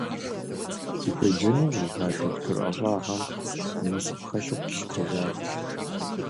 Зыхуеджэну къыхиха дохутыр ӏэщӏагъэм и насып хэлъу къилъытэжат.